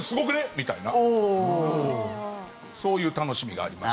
みたいなそういう楽しみがあります。